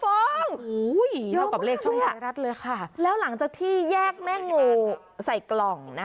เท่ากับเลขช่องไทยรัฐเลยค่ะแล้วหลังจากที่แยกแม่งูใส่กล่องนะ